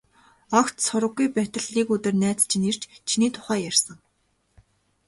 Огт сураггүй байтал нэг өдөр найз чинь ирж, чиний тухай ярьсан.